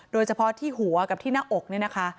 โดยเฉพาะที่หัวกับที่หน้าอกเนี่ยนะคะ